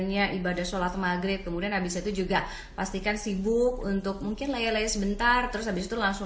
ya kemudian habis itu juga pastikan sibuk untuk mungkin lele sebentar terus habis itu langsung